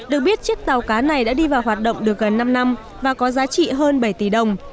được biết chiếc tàu cá này đã đi vào hoạt động được gần năm năm và có giá trị hơn bảy tỷ đồng